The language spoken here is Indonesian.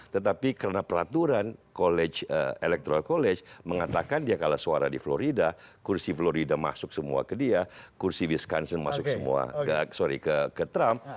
tetapi karena peraturan electoral college mengatakan dia kalah suara di florida kursi florida masuk semua ke dia kursi wisconssen masuk semua sorry ke trump